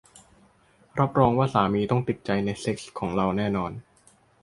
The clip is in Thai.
รับรองว่าสามีต้องติดใจในเซ็กส์ของเราแน่นอน